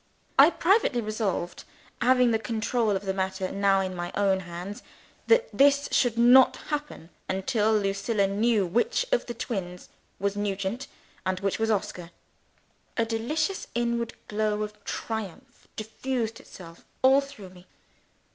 I privately resolved, having the control of the matter in my own hands, that this should not happen until Lucilla knew which of the twins was Nugent, and which was Oscar. A delicious inward glow of triumph diffused itself all through me.